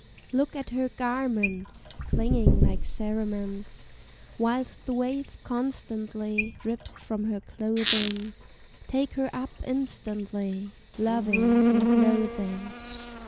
Look at her garments Clinging like cerements, Whilst the wave constantly Drips from her clothing; Take her up instantly, Loving, not loathing!